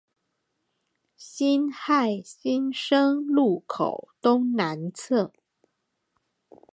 辛亥新生路口東南側